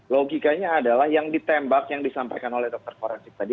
logikanya adalah yang ditembak yang disampaikan oleh dokter forensik tadi